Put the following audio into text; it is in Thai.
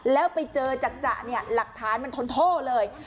แล้วไปเจอจักเนี่ยหลักฐานมันทนโทษเลย